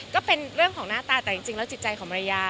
ก็เป็นเรื่องของหน้าตาแต่จริงแล้วจิตใจของภรรยา